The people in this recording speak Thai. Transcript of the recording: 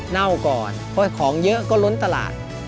เน่าก่อนเพราะของเยอะก็ล้นตลาด